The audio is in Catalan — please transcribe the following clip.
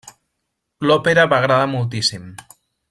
L'òpera va agradar moltíssim.